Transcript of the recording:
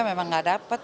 memang tidak dapat